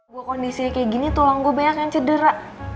gue kondisinya kayak gini tulang gue banyak yang cedera